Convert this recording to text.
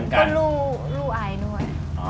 ก็ลู่อายด้วย